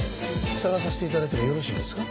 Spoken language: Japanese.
捜させて頂いてもよろしいですか？